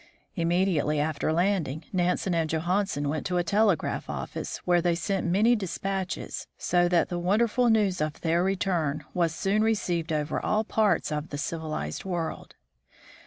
Immediately after landing, Nansen and Johansen went to a telegraph office, where they sent many dispatches, so that the wonderful news of their return was soon received over all parts of the civilized world.